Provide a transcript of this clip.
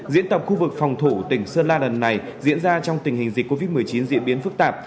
diễn tập khu vực phòng thủ tỉnh sơn la lần này diễn ra trong tình hình dịch covid một mươi chín diễn biến phức tạp